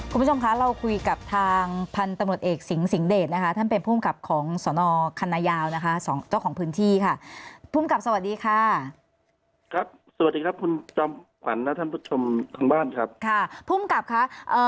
คุณจอมขวัญและท่านผู้ชมทางบ้านครับค่ะภูมิกับค่ะเอ่อ